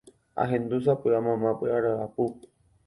Ahendu sapy'a mamá py ryapu